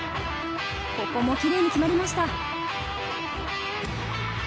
ここもキレイに決まりました。